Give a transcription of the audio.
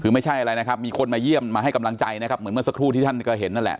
คือไม่ใช่อะไรนะครับมีคนมาเยี่ยมมาให้กำลังใจนะครับเหมือนเมื่อสักครู่ที่ท่านก็เห็นนั่นแหละ